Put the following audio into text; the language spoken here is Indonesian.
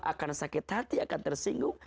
akan sakit hati akan tersinggung